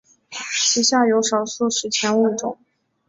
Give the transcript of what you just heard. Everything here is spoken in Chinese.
其下有少数史前物种。